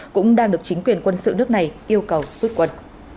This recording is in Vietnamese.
cũng đang được chính quyền quân sự nước này yêu cầu xuất quân